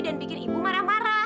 dan bikin ibu marah marah